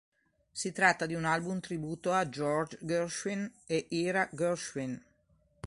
Si tratta di un album tributo a George Gershwin e Ira Gershwin.